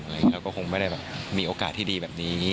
เราก็คงไม่ได้แบบมีโอกาสที่ดีแบบนี้